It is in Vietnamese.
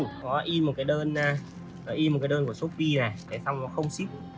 nó in một cái đơn của shopee này xong nó không ship